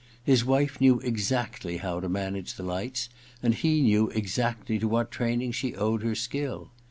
His wife knew exactly how to manage the lights, and he knew exactly to what training she owed her skill.